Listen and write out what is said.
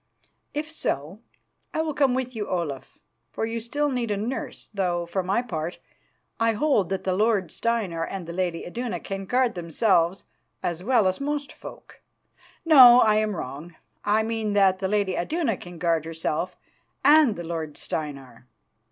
"If so, I will come with you, Olaf, for you still need a nurse, though, for my part, I hold that the lord Steinar and the lady Iduna can guard themselves as well as most folk. No, I am wrong. I mean that the lady Iduna can guard herself and the lord Steinar.